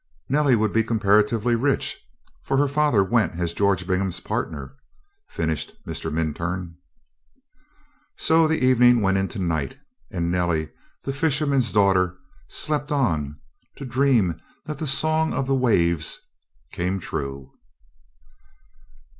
"Nellie would be comparatively rich, for her father went as George Bingham's partner," finished Mr. Minturn. So, the evening went into night, and Nellie, the Fisherman's Daughter, slept on, to dream that the song of the waves came true.